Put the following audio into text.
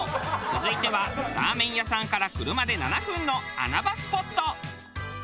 続いてはラーメン屋さんから車で７分の穴場スポット。